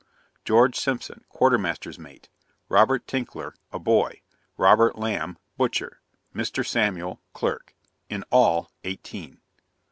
GEORGE SIMPSON Quarter Master's Mate. ROBERT TINKLER A boy. ROBERT LAMB Butcher. MR. SAMUEL Clerk. In all eighteen.